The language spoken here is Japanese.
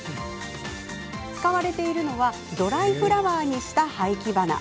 使われているのはドライフラワーにした廃棄花。